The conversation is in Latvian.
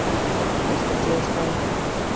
Uzticies man.